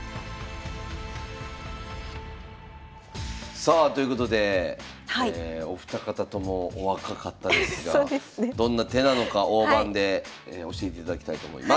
さあということでお二方ともお若かったですがどんな手なのか大盤で教えていただきたいと思います。